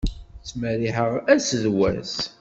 Ttmerriḥeɣ ass s wass.